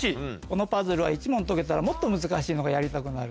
このパズルは１問解けたらもっと難しいのがやりたくなる。